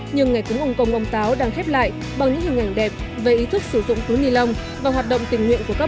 nhưng ngày cúng ông công ông táo đang khép lại bằng những hình ảnh đẹp về ý thức sử dụng túi nilon và hoạt động tình nguyện của các bạn trẻ